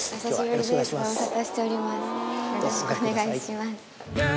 よろしくお願いします。